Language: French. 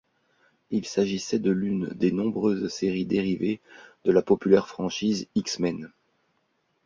Il s'agissait de l'une des nombreuses séries dérivées de la populaire franchise X-Men.